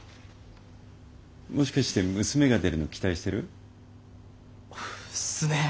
もしかして娘が出るの期待してる？っすねえ。